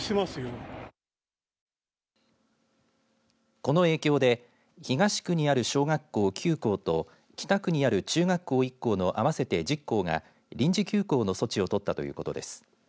この影響で東区にある小学校９校と北区にある中学校１校の合わせて１０校は臨時休校の措置を取ったということです。